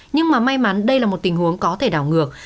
nhưng mà may mắn đây là một tình huống có thể đảo ngược